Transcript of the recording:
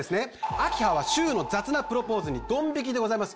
明葉は柊の雑なプロポーズにドン引きでございます